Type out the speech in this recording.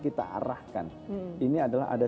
kita arahkan ini adalah ada